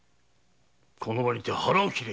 この場にて腹を切れ！